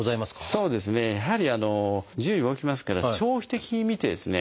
そうですねやはり自由に動きますから長期的に見てですね